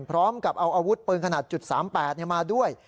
พร้อมกับเอาอาวุธปืนขนาด๓๘มาด้วย